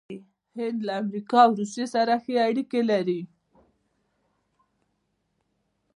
هند له امریکا او روسیې سره ښې اړیکې لري.